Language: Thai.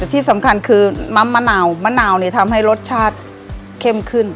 ที่สำคัญคือน้ำมะนาวมะนาวนี่ทำให้รสชาติเข้มขึ้น